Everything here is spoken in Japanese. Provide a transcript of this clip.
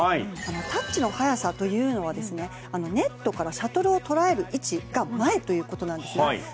タッチの速さというのはネットからシャトルを捉える位置が前ということなんですね。